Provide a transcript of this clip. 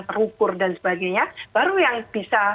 terukur dan sebagainya baru yang bisa